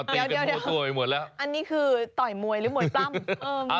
เดี๋ยวอันนี้คือต่อยมวยหรือมวยปล้ำ